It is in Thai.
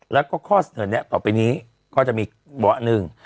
แล้วก็ข้อเสนอนี้ต่อไปนี้ก็จะมีเบาะหนึ่ง